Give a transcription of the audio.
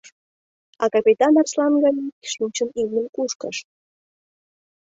А капитан арслан гаяк шинчын имньым кушкыж.